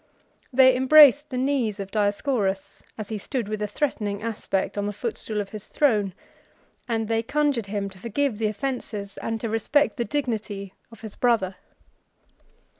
They embraced the knees of Dioscorus, as he stood with a threatening aspect on the footstool of his throne, and conjured him to forgive the offences, and to respect the dignity, of his brother.